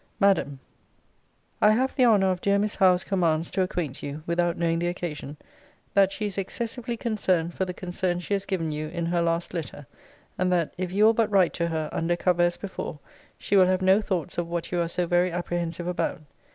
MADAM, I have the honour of dear Miss Howe's commands to acquaint you, without knowing the occasion, 'That she is excessively concerned for the concern she has given you in her last letter: and that, if you will but write to her, under cover as before, she will have no thoughts of what you are so very apprehensive about.'